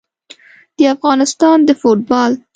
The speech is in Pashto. د افغانستان د فوټبال